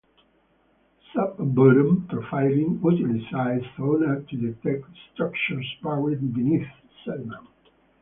Sub-bottom profiling utilizes sonar to detect structures buried beneath sediment.